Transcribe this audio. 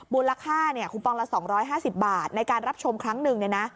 มูลค่าคูปองละ๒๕๐บาทในการรับชมครั้งหนึ่ง